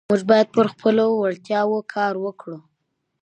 موږ باید پر خپلو وړتیاوو کار وکړو